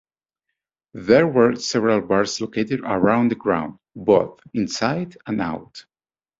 There were several bars located around the ground both inside and out.